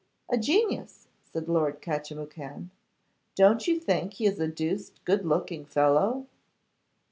'A genius,' said Lord Catchimwhocan. 'Don't you think he is a deuced good looking fellow?